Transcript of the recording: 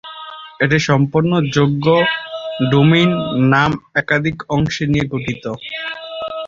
একটি সম্পূর্ণ যোগ্য ডোমেইন নাম একাধিক অংশ নিয়ে গঠিত।